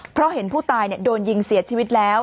เพราะเห็นผู้ตายโดนยิงเสียชีวิตแล้ว